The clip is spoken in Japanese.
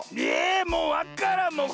えもうわからん！